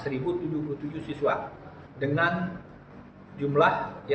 sebelum menjadikan proses penyelidikan